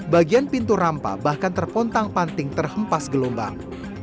bagian pintu rampa bahkan terpontang panting terhempas gelombang